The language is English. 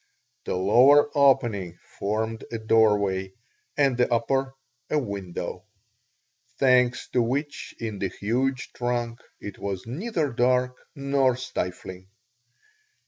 The lower opening formed a doorway and the upper a window, thanks to which in the huge trunk it was neither dark nor stifling.